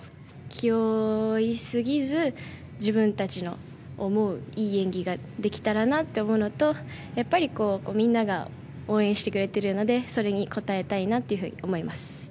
気負いすぎず自分たちの思う、いい演技ができたらなと思うのとやっぱり、みんなが応援してくれているのでそれに応えたいなと思います。